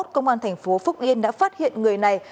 công an tp phúc yên đã phát hiện người này